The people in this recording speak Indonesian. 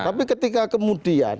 tapi ketika kemudian